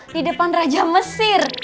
di depan raja mesir